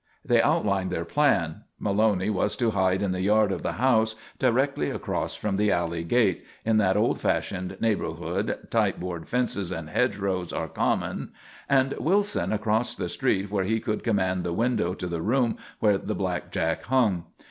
They outlined their plan. Maloney was to hide in the yard of the house directly across from the alley gate in that old fashioned neighbourhood, tight board fences and hedgerows are common and Wilson across the street where he could command the window to the room where the blackjack hung.